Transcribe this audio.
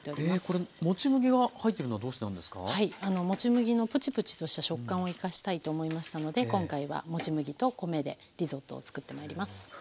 もち麦のプチプチとした食感を生かしたいと思いましたので今回はもち麦と米でリゾットを作ってまいります。